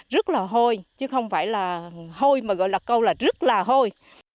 rất là hôi chứ không phải là hôi mà gọi là câu là rất là hôi